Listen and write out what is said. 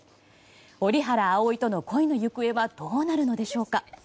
折原葵との恋の行方はどうなるのでしょうか。